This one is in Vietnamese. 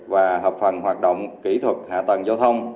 và hợp phần hoạt động kỹ thuật hạ tầng giao thông